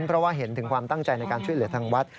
เพราะว่าเห็นถึงความตั้งใจในการช่วยเหลือทางวัด